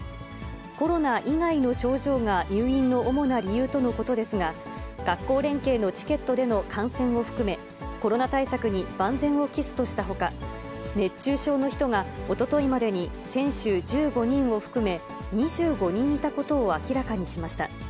コロナ以外の症状が入院の主な理由とのことですが、学校連携のチケットでの観戦を含め、コロナ対策に万全を期すとしたほか、熱中症の人がおとといまでに、選手１５人を含め、２５人いたことを明らかにしました。